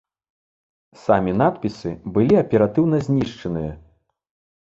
Самі надпісы былі аператыўна знішчаныя.